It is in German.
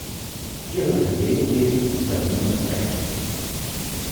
Tiere sind Lebewesen und verdienen Respekt.